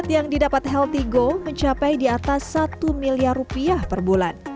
yang didapat healthy go mencapai di atas satu miliar rupiah per bulan